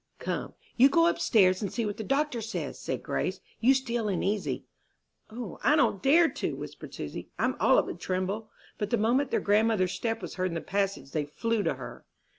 "Come, you go up stairs and see what the doctor says," said Grace; "you steal in easy." "O, I don't dare to," whispered Susy, "I'm all of a tremble." But the moment their grandmother's step was heard in the passage they flew to her.